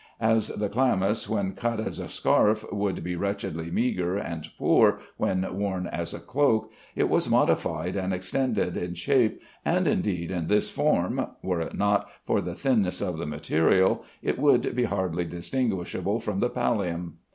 As the chlamys when cut as a scarf would be wretchedly meagre and poor when worn as a cloak, it was modified and extended in shape, and, indeed, in this form (were it not for the thinness of the material) it would be hardly distinguishable from the pallium.